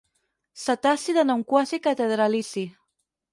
Cetaci de nom quasi catedralici.